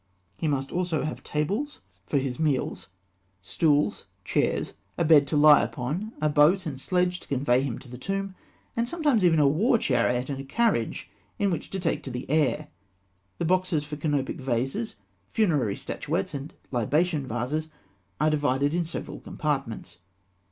He must also have tables for his meals; stools, chairs, a bed to lie upon, a boat and sledge to convey him to the tomb, and sometimes even a war chariot and a carriage in which to take the air. The boxes for canopic vases, funerary statuettes, and libation vases, are divided in several compartments.